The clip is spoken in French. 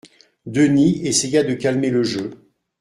Denis essaya de calmer le jeu.